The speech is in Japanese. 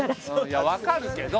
いや分かるけど。